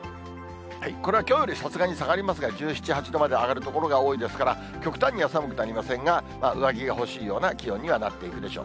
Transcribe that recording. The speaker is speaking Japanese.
これはきょうよりさすがに下がりますが、１７、８度まで上がる所が多いですから、極端には寒くなりませんが、上着が欲しいような気温にはなっていくでしょう。